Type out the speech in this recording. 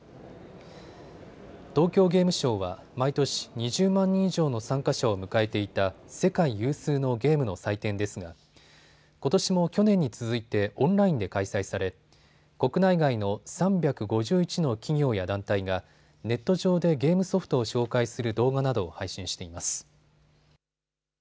東京ゲームショウは毎年２０万人以上の参加者を迎えていた世界有数のゲームの祭典ですがことしも去年に続いてオンラインで開催され国内外の３５１の企業や団体がネット上でゲームソフトを紹介する動画などを配信しています。